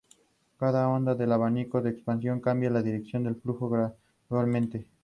Cada onda en el abanico de expansión cambia la dirección del flujo gradualmente.